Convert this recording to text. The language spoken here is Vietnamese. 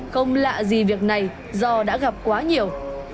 không lạ gì việc này do đã gặp quá nhiều